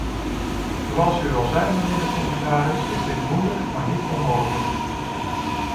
Zoals u al zei, mijnheer de commissaris, is dit moeilijk, maar niet onmogelijk.